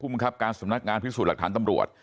ผู้มึงครับการสำนักงานภิกษุหลักฐานตำรวจ